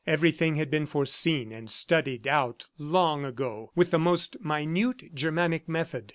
Everything had been foreseen and studied out long ago with the most minute Germanic method.